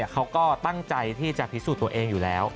เขาก็ตั้งใจที่จะพิสูจน์ตัวเองอยู่แล้ว